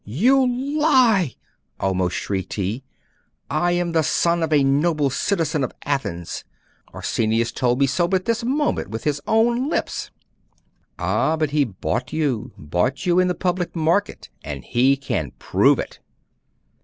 'You lie!' almost shrieked he. 'I am the son of a noble citizen of Athens. Arsenius told me so, but this moment, with his own lips!' 'Ah, but he bought you bought you in the public market; and he can prove it!